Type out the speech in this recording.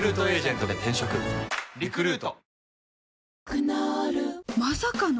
クノールまさかの！？